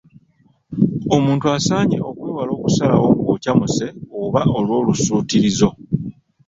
Omuntu asaanye okwewala okusalawo ng’okyamuse oba olw’olusuutirizo.